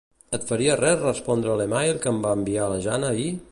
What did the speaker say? Et faria res respondre l'e-mail que em va enviar la Jana ahir?